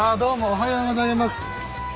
おはようございます。